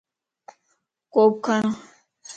ڪوپ کڙ